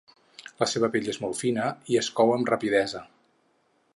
La seva pell és molt fina i es cou amb rapidesa.